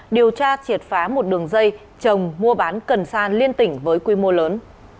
điều tra triệt phá một đường dây chồng mua bán cần sa liên tỉnh với quy mô lớn